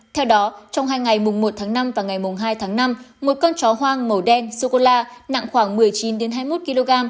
theo đó trong hai ngày mùng một tháng năm và ngày mùng hai tháng năm một con chó hoang màu đen sô cô la nặng khoảng một mươi chín hai mươi một kg